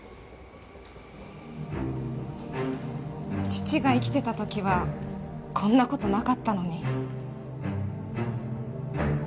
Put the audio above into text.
父が生きてた時はこんな事なかったのに。